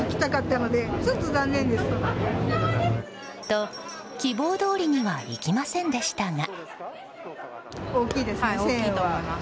と希望どおりにはいきませんでしたが。